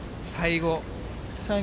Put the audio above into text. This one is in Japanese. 最後。